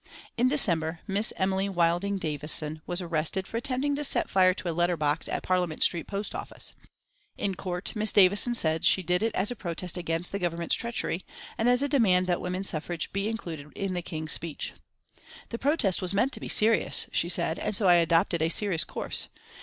In December Miss Emily Wilding Davison was arrested for attempting to set fire to a letter box at Parliament Street Post Office. In court Miss Davison said that she did it as a protest against the Government's treachery, and as a demand that women's suffrage be included in the King's speech. "The protest was meant to be serious," she said, "and so I adopted a serious course.